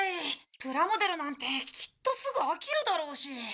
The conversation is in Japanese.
プラモデルなんてきっとすぐ飽きるだろうし。